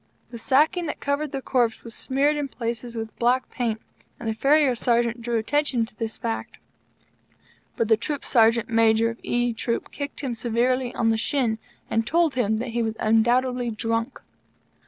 The sacking that covered the corpse was smeared in places with black paint; and the Farrier Sergeant drew attention to this fact. But the Troop Sergeant Major of E Troop kicked him severely on the shin, and told him that he was undoubtedly drunk.